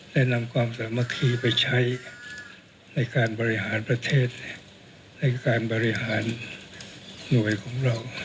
นำความสามัคคีไปใช้ในการบริหารประเทศในการบริหารหน่วยของเรา